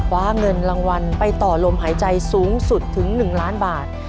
คว้าเงินรางวัลไปต่อลมหายใจสูงสุดถึง๑ล้านบาท